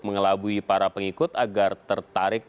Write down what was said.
mengelabui para pengikut agar tertarik